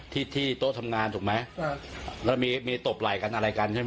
ที่ที่โต๊ะทำงานถูกไหมแล้วมีมีตบไหล่กันอะไรกันใช่ไหม